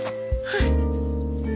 はい。